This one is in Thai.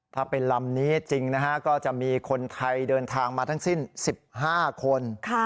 ถ้าเป็นลำนี้จริงนะฮะก็จะมีคนไทยเดินทางมาทั้งสิ้น๑๕คน